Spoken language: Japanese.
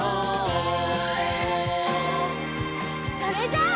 それじゃあ。